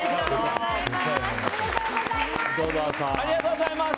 ありがとうございます。